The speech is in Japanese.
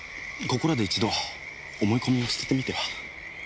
ここらで一度思い込みを捨ててみては。